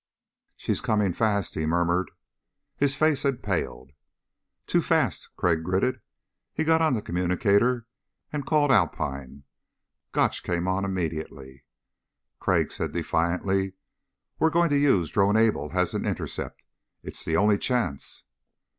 "She's coming fast," he murmured. His face had paled. "Too fast," Crag gritted. He got on the communicator and called Alpine. Gotch came on immediately. Crag said defiantly. "We're going to use Drone Able as an intercept. It's the only chance."